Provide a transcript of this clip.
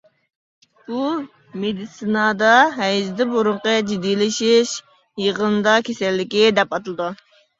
بۇ مېدىتسىنادا ھەيزدىن بۇرۇنقى جىددىيلىشىش يىغىندا كېسەللىكى دەپ ئاتىلىدۇ.